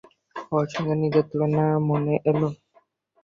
ওর সঙ্গে নিজের তুলনা মনে এল।